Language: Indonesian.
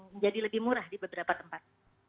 yang jadi lebih murah di beberapa tempat